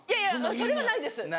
それはないです